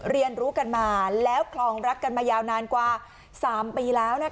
เรียนรู้กันมาแล้วคลองรักกันมายาวนานกว่า๓ปีแล้ว